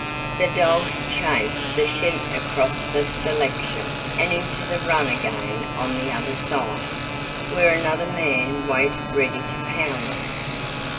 The dogs chased the sheep across the selection and into the run again on the other side, where another man waited ready to pound them.